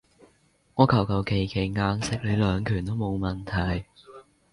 我求求其其硬食你兩拳都冇問題